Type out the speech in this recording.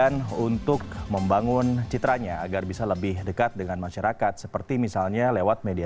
nanti mungkin ya kita akan obrol lebih banyak lagi